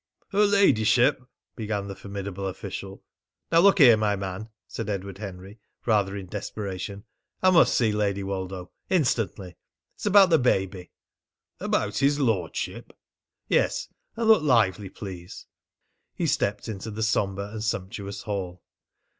"Her ladyship " began the formidable official. "Now look here my man," said Edward Henry rather in desperation, "I must see Lady Woldo instantly. It's about the baby " "About his lordship?" "Yes. And look lively, please." He stepped into the sombre and sumptuous hall.